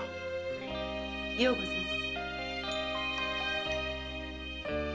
ようござんす。